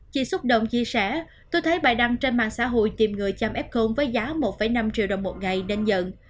chị xúc động chia sẻ tôi thấy bài đăng trên mạng xã hội tìm người chăm f với giá một năm triệu đồng một ngày nên giận